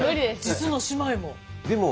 実の姉妹も。